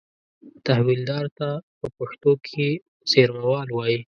تحویلدار ته په پښتو کې زېرمهوال وایي.